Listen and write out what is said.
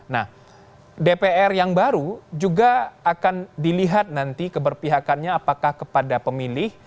nah dpr yang baru juga akan dilihat nanti keberpihakannya apakah kepada pemilih